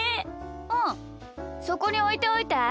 うんそこにおいておいて。